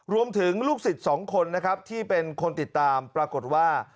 รวมถึงลูกสิทธิ์๒คนนะครับที่เป็นคนติดตามปรากฏว่า